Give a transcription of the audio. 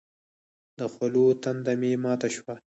د خولو تنده مې ماته شوه.